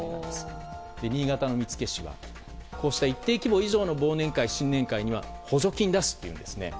新潟の見附市はこうした一定規模以上の忘年会、新年会には補助金を出すというんですね。